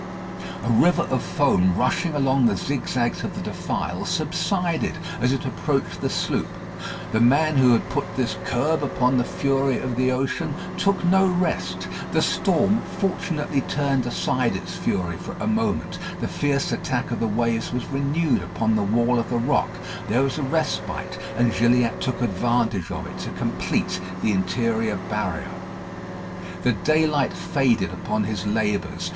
A river of foam rushing along the zigzags of the defile subsided as it approached the sloop. The man who had put this curb upon the fury of the ocean took no rest. The storm fortunately turned aside its fury for a moment. The fierce attack of the waves was renewed upon the wall of the rock. There was a respite, and Gilliatt took advantage of it to complete the interior barrier. The daylight faded upon his labours.